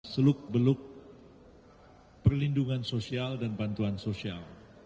seluk beluk perlindungan sosial dan bantuan sosial